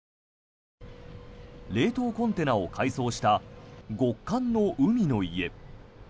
冷凍コンテナを改装した極寒の海の家。